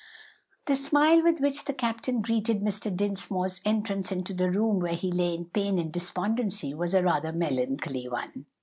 The smile with which the captain greeted Mr. Dinsmore's entrance into the room where he lay in pain and despondency was a rather melancholy one.